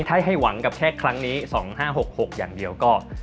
ถ้าให้หวังกับแค่ครั้งนี้๒๕๖๖อย่างเดียวก็